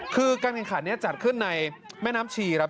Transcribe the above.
คือการแข่งขันนี้จัดขึ้นในแม่น้ำชีครับ